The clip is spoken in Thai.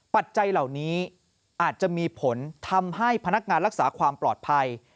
ปัจจัยเหล่านี้อาจจะมีผลทำให้พนักงานรักษาความปลอดภัย